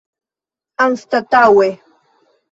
anstataŭe